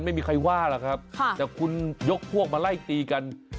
ไม่มีใครว่าหรอกครับแต่คุณยกพวกมาไล่ตีกัน